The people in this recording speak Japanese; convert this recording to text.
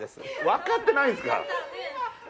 わかってないんですか？